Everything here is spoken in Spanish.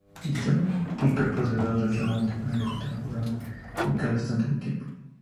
Dicho microprocesador solamente puede ejecutar un programa en cada instante de tiempo.